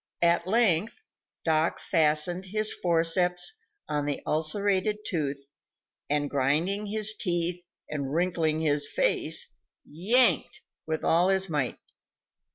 At length, Doc fastened his forceps on the ulcerated tooth, and, grinding his teeth and wrinkling his face, yanked with all his might.